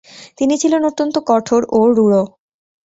তিনি ছিলেন অত্যন্ত কঠোর ও রূঢ়।